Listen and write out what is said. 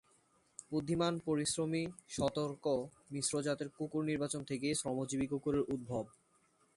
বুদ্ধিমান, পরিশ্রমী, সতর্ক মিশ্র জাতের কুকুর নির্বাচন থেকেই শ্রমজীবী কুকুরের উদ্ভব।